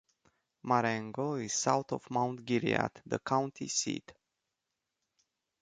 Marengo is south of Mount Gilead, the county seat.